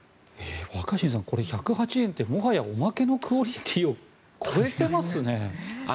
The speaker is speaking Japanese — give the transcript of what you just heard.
若新さんこれ、１０８円ってもはや、おまけのクオリティーを超えてますね。